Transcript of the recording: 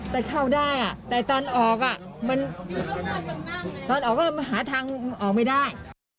แต่เข้าได้แต่ตอนออกมันตอนออกก็หาทางออกไม่ได้